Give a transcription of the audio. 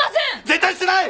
絶対にしてない！